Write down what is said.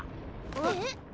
えっ！？